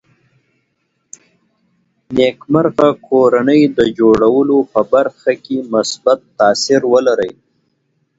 نېکمرغه کورنۍ د جوړولو په برخه کې مثبت تاثیر ولري